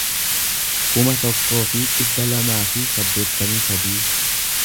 kuma tokkoo fi dhibba lamaa fi saddeettamii sadii